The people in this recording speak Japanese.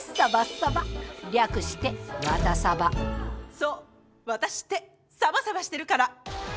そうワタシってサバサバしてるから！